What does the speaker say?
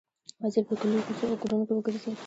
وزیر په کلیو، کوڅو او کورونو کې وګرځېد.